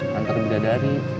kantor beda dari